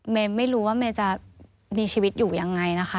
ไม่รู้ว่าเมย์จะมีชีวิตอยู่ยังไงนะคะ